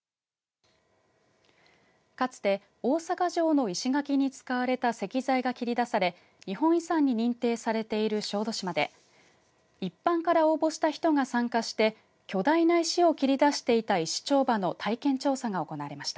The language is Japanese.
かつて大坂城の石垣に使われた石材が切り出され日本遺産に認定されている小豆島で一般から応募した人が参加して巨大な石を切り出していた石丁場の体験調査が行われました。